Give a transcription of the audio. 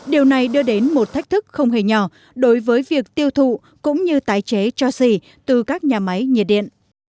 điều này đưa đến một thách thức không hề nhỏ đối với việc tiêu thụ cũng như tái chế cho xỉ từ các nhà máy nhiệt điện